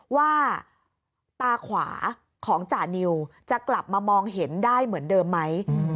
ว่าตาขวาของจานิวจะกลับมามองเห็นได้เหมือนเดิมไหม